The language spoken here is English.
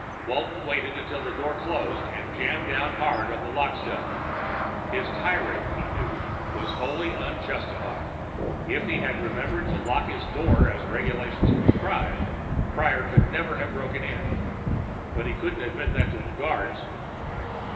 Walton waited until the door closed and jammed down hard on the lockstud. His tirade, he knew, was wholly unjustified; if he had remembered to lock his door as regulations prescribed, Prior would never have broken in. But he couldn't admit that to the guards.